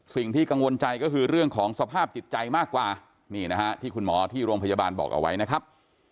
สิ่งที่กังวลใจก็คือเรื่องของสภาพจิตใจมากกว่านี่นะฮะที่คุณหมอที่โรงพยาบาลบอกเอาไว้นะครับ